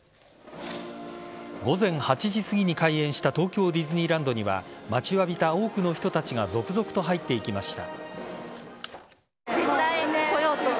午前８時すぎに開園した東京ディズニーランドには待ちわびた多くの人たちが続々と入っていきました。